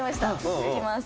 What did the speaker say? いきます。